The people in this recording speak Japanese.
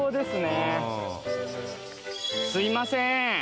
すみません。